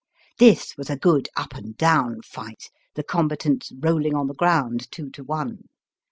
This was a good up and down fight, the combatants roUing on the ground two to one.